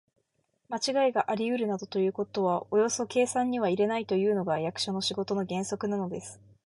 まちがいがありうるなどということはおよそ計算には入れないというのが、役所の仕事の原則なのです。